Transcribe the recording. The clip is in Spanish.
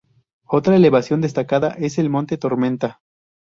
Otra elevación destacada es el monte Tormenta.